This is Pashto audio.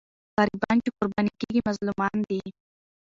غریبان چې قرباني کېږي، مظلومان دي.